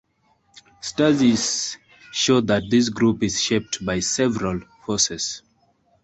Studies show that this group is shaped by several forces.